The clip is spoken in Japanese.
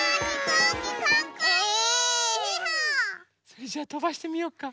それじゃあとばしてみようか？